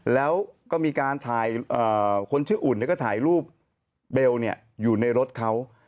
แล้วก็มีการถ่ายคนชื่ออุ่นก็ถ่ายรูปเบลอยู่ในรถเขา